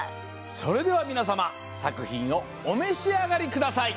それではみなさまさくひんをおめしあがりください。